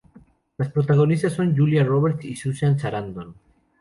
Las protagonistas son Julia Roberts y Susan Sarandon.